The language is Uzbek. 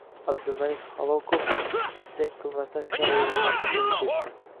Abdumalik Halokov jang qilmasdan final yo‘llanmasini qo‘lga kiritdi